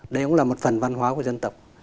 đây cũng là một phần văn hóa của dân tộc